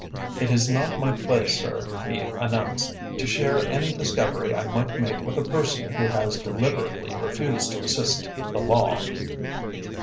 "It is not my place, sir," he announced, "to share any discovery I might make with a person who has deliberately refused to assist the law."